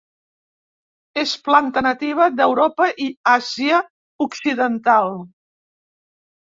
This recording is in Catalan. És planta nativa d'Europa i Àsia occidental.